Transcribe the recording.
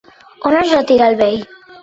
On es retira el vell?